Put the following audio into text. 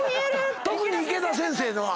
特に池田先生のは。